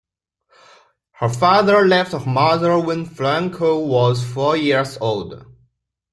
Her father left her mother when Frankel was four years old.